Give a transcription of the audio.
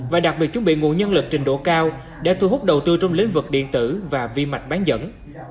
và đặc biệt chuẩn bị nguồn nhân lực trình độ cao để thu hút đầu tư trong lĩnh vực điện tử và vi mạch bán dẫn